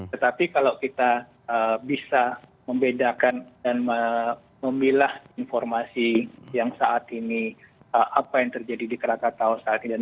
tetapi kalau kita bisa membedakan dan memilah informasi yang saat ini apa yang terjadi di krakatau saat ini